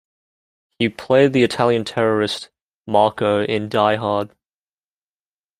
He played the Italian terrorist Marco in "Die Hard".